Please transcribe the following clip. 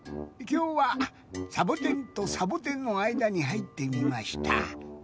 きょうはサボテンとサボテンのあいだにはいってみました。